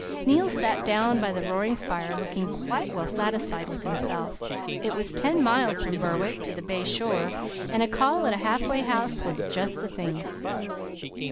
"Neil sat down by the roaring fire, looking quite well satisfied with himself. It was ten miles from Berwick to the bay shore, and a call at a half way house was just the thing.